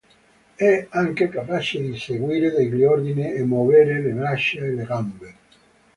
È anche capace di seguire degli ordini e muovere le braccia e le gambe.